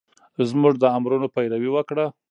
زمونږ د امرونو پېروي وکړه